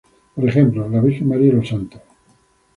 Por ejemplo la Virgen María y los santos.